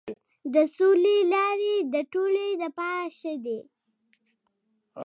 د سولې لارې د ټولو لپاره ښې دي.